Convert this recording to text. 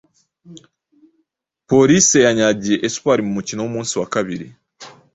Police yanyagiye Espoir mu mukino w’umunsi wa kabiri